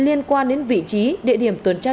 liên quan đến vị trí địa điểm tuần tra